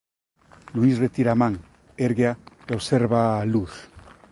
Luís retira a man, érguea e obsérvaa á luz.